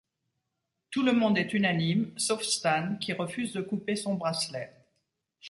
Tout le monde est unanime, sauf Stan, qui refuse de couper son bracelet.